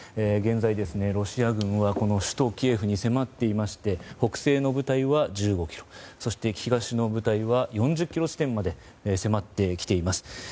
現在、ロシア軍は首都キエフに迫っていまして北西の部隊は１５ｋｍそして東の部隊は４０ｋｍ地点まで迫ってきています。